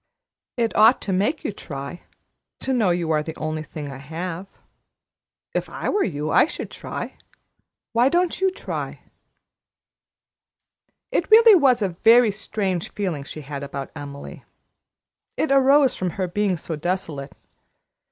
It ought to make you try, to know you are the only thing I have. If I were you, I should try. Why don't you try?" It really was a very strange feeling she had about Emily. It arose from her being so desolate.